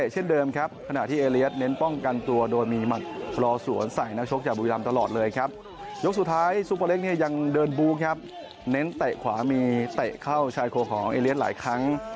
ชายโคหรของเอเลียสหลายครั้ง